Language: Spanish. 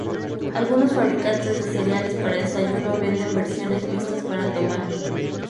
Algunos fabricantes de cereales para desayuno venden versiones listas para tomar.